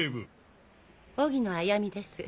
荻野彩実です